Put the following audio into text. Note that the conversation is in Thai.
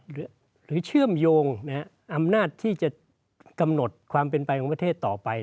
หรือเชื่อมโยงอำนาจที่จะกำหนดความเป็นไปของประเทศต่อไป